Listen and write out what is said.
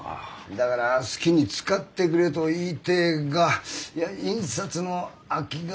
だから好きに使ってくれと言いてえがいや印刷の空きが。